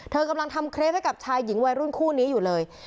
กำลังทำเครปให้กับชายหญิงวัยรุ่นคู่นี้อยู่เลย